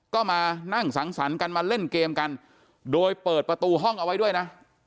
ก็มานั่งสังสรรค์กันมาเล่นเกมกันโดยเปิดประตูห้องเอาไว้ด้วยนะ